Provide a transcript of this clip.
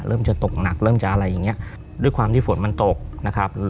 จะตกหนักเริ่มจะอะไรอย่างเงี้ยด้วยความที่ฝนมันตกนะครับ